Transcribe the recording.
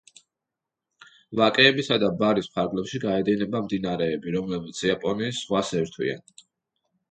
ვაკეებისა და ბარის ფარგლებში გაედინება მდინარეები, რომლებიც იაპონიის ზღვას ერთვიან.